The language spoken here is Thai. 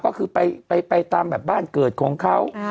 ก็คือไปตามแบบบ้านเกิดของเขา